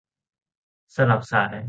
สลับสาย